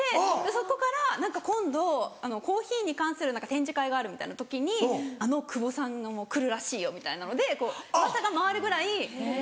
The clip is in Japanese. そこから何か今度コーヒーに関する展示会があるみたいな時に「あの久保さんも来るらしいよ」みたいなのでうわさが回るぐらい。